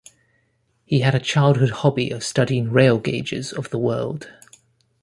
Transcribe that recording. He had a childhood hobby of studying rail gauges of the world.